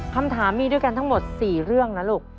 คำถามมีด้วยกันทั้งหมด๔เรื่องนะลูก